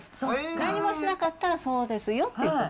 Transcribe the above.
何もしなかったらそうですよということ。